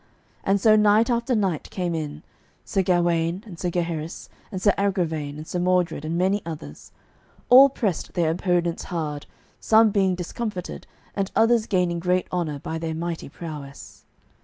And so knight after knight came in, Sir Gawaine, and Sir Gaheris, and Sir Agravaine, and Sir Mordred, and many others; all pressed their opponents hard, some being discomfited and others gaining great honour by their mighty prowess.